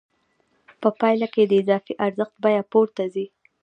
په پایله کې د اضافي ارزښت بیه پورته ځي